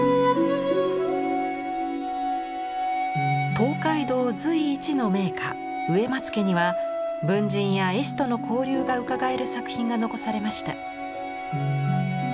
東海道随一の名家植松家には文人や絵師との交流がうかがえる作品が残されました。